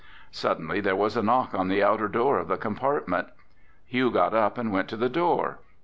Suddenly there was a knock on the outer door of the compartment. Hugh got up and went to the door.